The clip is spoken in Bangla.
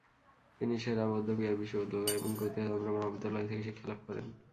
তিনি সে-রা বৌদ্ধবিহার বিশ্ববিদ্যালয় এবং গ্যুতো তন্ত্র মহাবিদ্যালয় থেকে শিক্ষালাভ করেন।